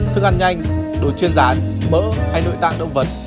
thức ăn nhanh đồ chuyên rán mỡ hay nội tạng động vật